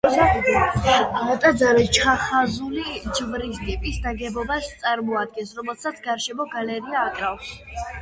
ტაძარი ჩახაზული ჯვრის ტიპის ნაგებობას წარმოადგენს, რომელსაც გარშემო გალერეა აკრავს.